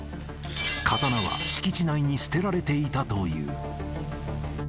刀は敷地内に捨てられていたという。